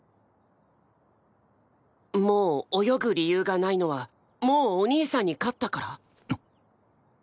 もう泳ぐ理由がないのはもうお兄さんに勝ったから？